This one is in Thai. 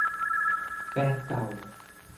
แฟนเก่า